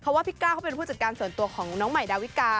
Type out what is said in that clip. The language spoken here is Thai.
เพราะว่าพี่ก้าวเขาเป็นผู้จัดการส่วนตัวของน้องใหม่ดาวิกา